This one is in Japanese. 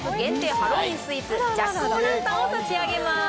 ハロウィンスイーツ、ジャック・オー・ランタンを差し上げます！